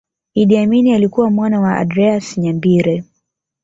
Idi Amin alikuwa mwana wa Andreas Nyabire